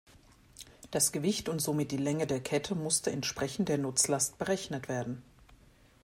Das Gewicht und somit die Länge der Kette musste entsprechend der Nutzlast berechnet werden.